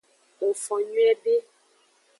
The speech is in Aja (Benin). Ngfon nyuiede.